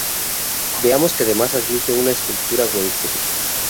Veamos que además admite una estructura Weinstein.